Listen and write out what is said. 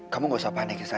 kamu gak usah panik ya sayang